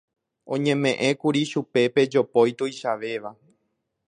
oñeme'ẽkuri chupe pe jopói tuichavéva